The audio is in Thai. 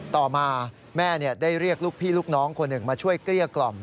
ต่อมาแม่ได้เรียกลูกพี่ลูกน้องคนหนึ่งมาช่วยเกลี้ยกล่อม